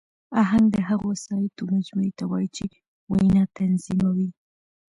آهنګ د هغو وسایطو مجموعې ته وایي، چي وینا تنظیموي.